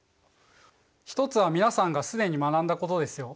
一つは皆さんが既に学んだことですよ。